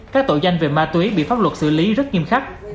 các tội danh về ma túy bị pháp luật xử lý rất nghiêm khắc